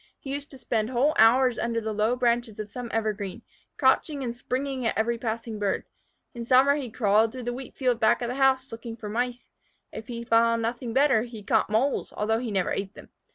He used to spend whole hours under the low branches of some evergreen, crouching and springing at every passing bird. In summer he crawled through the wheat field back of the house, looking for Mice. If he found nothing better, he caught Moles, although he never ate them.